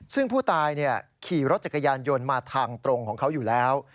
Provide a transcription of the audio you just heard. ซึ่งผู้ตายขี่รถจักรยานยนต์มาทางตรงของเขาอยู่แล้ว